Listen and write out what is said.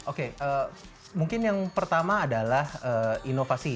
oke mungkin yang pertama adalah inovasi